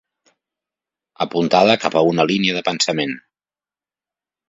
Apuntada cap a una línia de pensament.